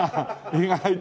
意外とな。